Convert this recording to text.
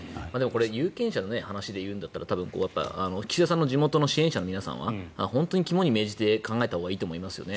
有権者の話で言うんだったら岸田さんの地元の支援者の皆さんは本当に肝に銘じて考えたほうがいいと思いますよね。